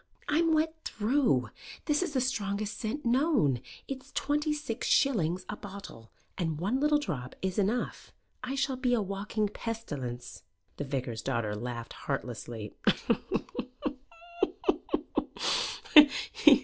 "I'm wet through. This is the strongest scent known. It's twenty six shillings a bottle, and one little drop is enough. I shall be a walking pestilence." The vicar's daughter laughed heartlessly.